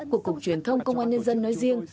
của cục truyền thông công an nhân dân nói riêng